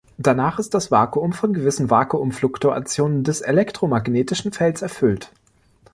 Danach ist das Vakuum von gewissen Vakuumfluktuationen des elektromagnetischen Felds erfüllt.